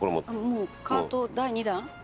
もうカート第２弾？